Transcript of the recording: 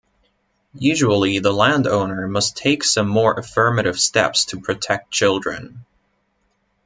Usually the landowner must take some more affirmative steps to protect children.